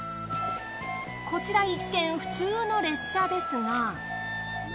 こちら一見普通の列車ですが。